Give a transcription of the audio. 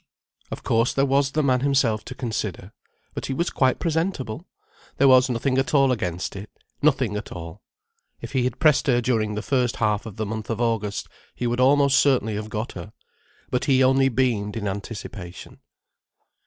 Of course there was the man himself to consider. But he was quite presentable. There was nothing at all against it: nothing at all. If he had pressed her during the first half of the month of August, he would almost certainly have got her. But he only beamed in anticipation.